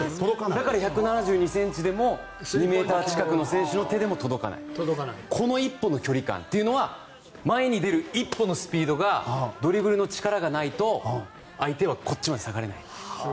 だから１７２ｃｍでも２ｍ近くの選手の手でも届かないこの１歩の距離感というのは前に出る１歩のスピードがドリブルの力がないと相手はこっちまで下がれない。